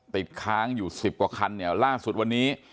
ติดค้างอยู่๑๐กว่าคันเนี่ยล่าสุดวันนี้